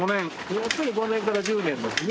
やっぱり５年から１０年ですね。